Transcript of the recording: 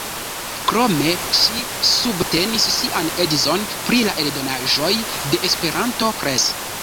Krome ŝi subtenis sian edzon pri la eldonaĵoj de Esperanto Press.